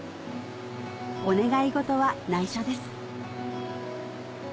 お願い事は内緒です